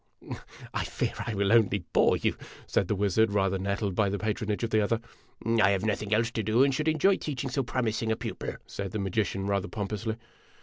"" I fear I will only bore you," said the wizard, rather nettled by the patronage of the other. " I have nothing else to do, and should enjoy teaching so promis ing a pupil," said the magician, rather pompously.